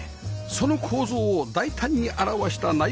その構造を大胆に現した内部空間